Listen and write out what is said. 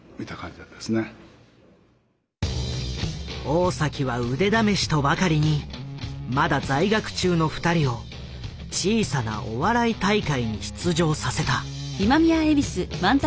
大は腕試しとばかりにまだ在学中の二人を小さなお笑い大会に出場させた。